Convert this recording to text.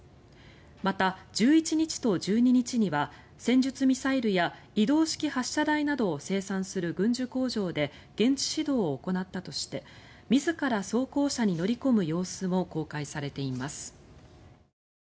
また、１１日と１２日には戦術ミサイルや移動式発射台などを生産する軍需工場で現地指導を行ったとして自ら装甲車に乗り込む様子も公開されています。